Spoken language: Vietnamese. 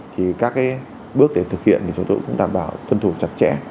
thì các cái bước để thực hiện thì chúng tôi cũng đảm bảo tuân thủ chặt chẽ